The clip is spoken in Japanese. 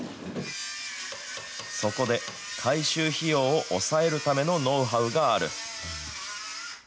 そこで、改修費用を抑えるためのノウハウがある。